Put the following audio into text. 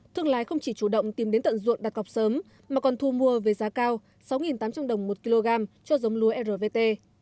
thương lái không chỉ chủ động tìm đến tận ruộng đặt cọc sớm mà còn thu mua với giá cao sáu tám trăm linh đồng một kg cho giống lúa rvt